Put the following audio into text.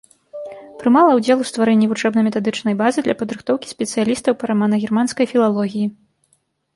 Прымала ўдзел у стварэнні вучэбна-метадычнай базы для падрыхтоўкі спецыялістаў па рамана-германскай філалогіі.